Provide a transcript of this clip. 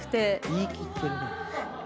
言い切ってるね。